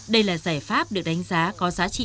đây là giải pháp được đánh giá có giá trị